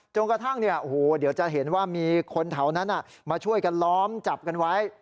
จนกระทั่งเดี๋ยวจะเห็นว่ามีคนแถวนั้นมาช่วยกันล้อมจับกันไว้